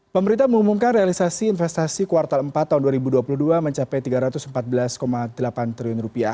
pemerintah mengumumkan realisasi investasi kuartal empat tahun dua ribu dua puluh dua mencapai rp tiga ratus empat belas delapan triliun